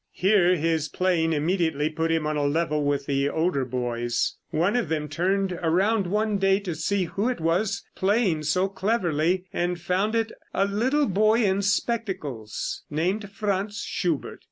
Here his playing immediately put him on a level with the older boys. One of them turned around one day to see who it was playing so cleverly, and found it "a little boy in spectacles," named Franz Schubert.